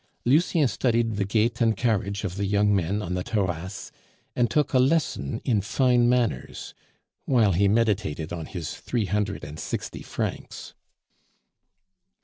Lucien studied the gait and carriage of the young men on the Terrasse, and took a lesson in fine manners while he meditated on his three hundred and sixty francs.